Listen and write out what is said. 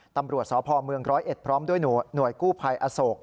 ตำรวจสพเมืองร้อยเอ็ดพร้อมด้วยหน่วยกู้ภัยอโศก